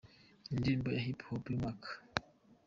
Indirimbo ya hip hop y’umwaka .